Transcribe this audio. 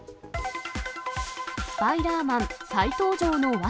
スパイダーマン再登場の訳。